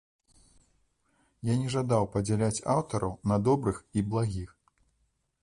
Я не жадаў падзяляць аўтараў на добрых і благіх.